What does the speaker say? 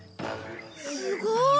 すごい！